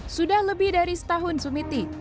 sudah lebih dari setahun sumiti